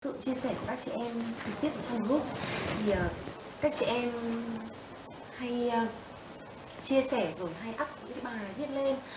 sự chia sẻ của các chị em trực tiếp trong group thì các chị em hay chia sẻ rồi hay up những bài viết lên